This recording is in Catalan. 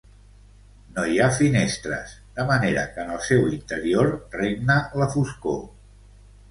No hi ha finestres, de manera que en el seu interior regna la foscor.